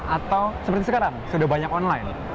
atau seperti sekarang sudah banyak online